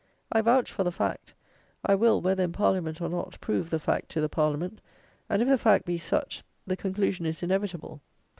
I vouch for the fact; I will, whether in Parliament or not, prove the fact to the Parliament: and, if the fact be such, the conclusion is inevitable.